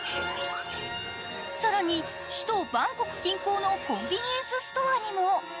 更に、首都バンコク近郊のコンビニエンスストアにも。